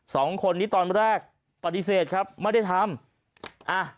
สองคนนี้ตอนแรกปฏิเสธครับไม่ได้ทำอ่ะ